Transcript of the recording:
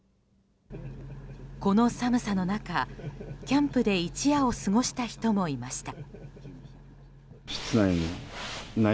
この寒さの中、キャンプで一夜を過ごした人もいました。